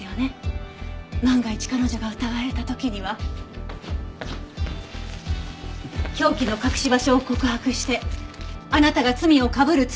万が一彼女が疑われた時には凶器の隠し場所を告白してあなたが罪をかぶるつもりだった。